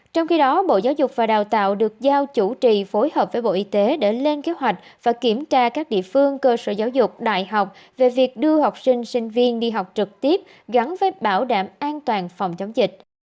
trong khi đó bộ giáo dục và đào tạo được giao chủ trì phối hợp với bộ y tế để lên kế hoạch và kiểm tra các địa phương cơ sở giáo dục đại học về việc đưa học sinh sinh viên đi học trực tiếp gắn với bảo đảm an toàn phòng chống dịch